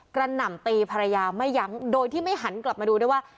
หน่ำตีภรรยาไม่ยั้งโดยที่ไม่หันกลับมาดูด้วยว่า